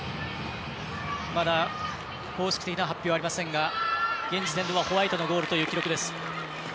公式的な発表はありませんが現時点ではホワイトのゴールという記録です。